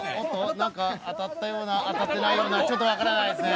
何か当たったような、当たってないような、ちょっと分からないですね。